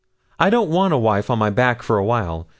I don't want a wife on my back for a while.